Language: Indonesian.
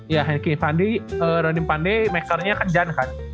ya henki pandey rolim pandey makernya kejankan